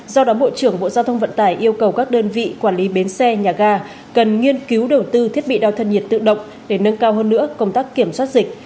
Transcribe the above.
do đó bộ trưởng bộ giao thông vận tải yêu cầu các đơn vị quản lý bến xe nhà ga cần nghiên cứu đầu tư thiết bị đo thân nhiệt tự động để nâng cao hơn nữa công tác kiểm soát dịch